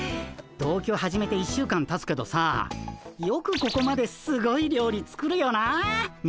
同居始めて１週間たつけどさよくここまですごい料理作るよなあミノル。